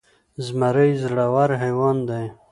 زمری زړور حيوان دی.